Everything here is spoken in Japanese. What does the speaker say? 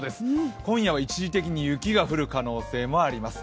今夜は一時的に雪が降る可能性もあります。